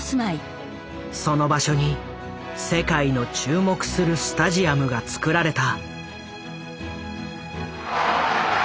その場所に世界の注目するスタジアムが造られた。